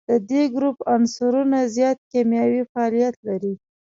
د دې ګروپ عنصرونه زیات کیمیاوي فعالیت لري.